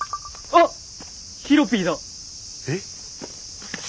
あっヒロピーだ！え？